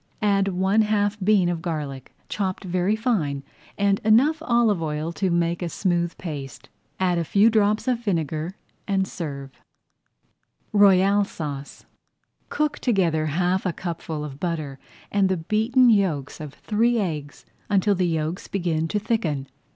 Add one half bean of garlic, chopped very fine, and enough olive oil to make a smooth paste. Add a few drops of vinegar and serve. [Page 36] ROYALE SAUCE Cook together half a cupful of butter and the beaten yolks of three eggs until the yolks begin to thicken.